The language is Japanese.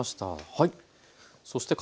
はい。